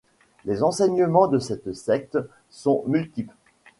Les enseignements de cette secte sont multiples.